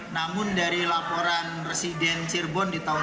namun dari laporan residen cirebon di tahun tiga puluh an